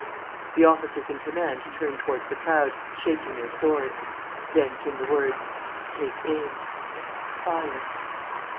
The officers in command turned towards the crowd, shaking their swords. Then came the words: "Take aim! Fire!"